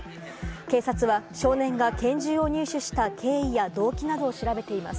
警察は、少年が拳銃を入手した経緯や動機などを調べています。